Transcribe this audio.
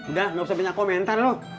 udah ga usah banyak komentar lu